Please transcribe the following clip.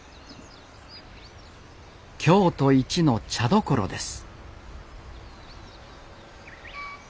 京都一の茶どころです